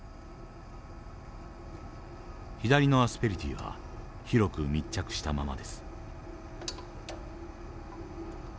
左のアスペリティは広く密着したままです。